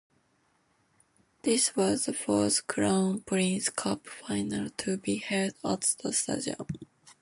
This was the fourth Crown Prince Cup final to be held at the stadium.